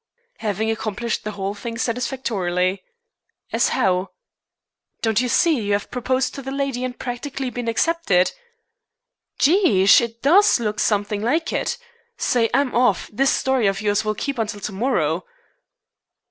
"Having accomplished the whole thing satisfactorily." "As how?" "Don't you see you have proposed to the lady and practically been accepted?" "Jehosh! It does look something like it. Say, I'm off! This story of yours will keep until to morrow."